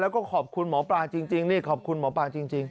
แล้วก็ขอบคุณหมอปลาจริงนี่ขอบคุณหมอปลาจริง